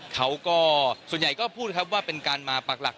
เขาก็ส่วนใหญ่ก็พูดครับว่าเป็นการมาปากหลัก